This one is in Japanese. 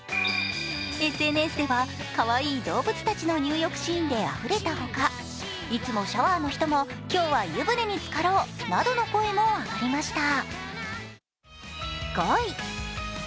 ＳＮＳでは、かわいい動物たちの入浴シーンであふれたほか、いつもシャワーの人も、今日は湯船につかろうなどの声も上がりました。